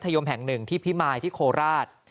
ยมแห่งหนึ่งที่พิมายที่โคราช